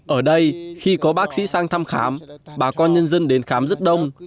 ở đây khi có bác sĩ sang thăm khám bà con nhân dân đến khám rất đông